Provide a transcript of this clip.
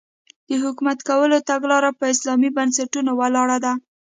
د حکومت کولو تګلاره په اسلامي بنسټونو ولاړه ده.